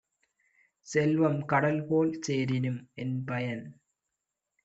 செல்வம் கடல்போல் சேரினும் என்பயன்?